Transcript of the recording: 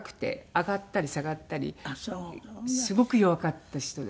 上がったり下がったりすごく弱かった人ですね。